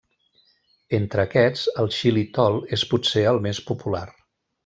Entre aquests el xilitol és potser el més popular.